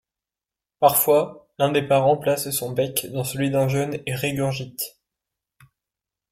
Parfois, l’un des parents place son bec dans celui d’un jeune et régurgite.